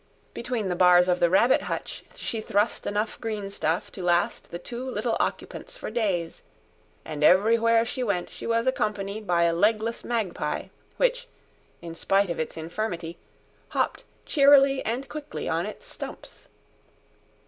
Between the bars of the rabbit hutch she thrust enough greenstuff to last the two little occupants for days; and everywhere she went she was accompanied by a legless magpie, which, in spite of its infirmity, hopped cheerily and quickly on its stumps.